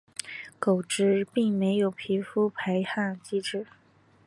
狗只并没有皮肤排汗机制。